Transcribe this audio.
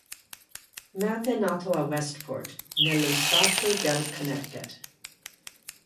Matt è nato a Westport, nello stato del Connecticut.